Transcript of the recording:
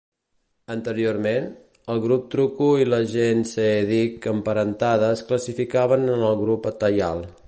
Anteriorment, el grup Truku i la gent Seediq emparentada es classificaven en el grup Atayal.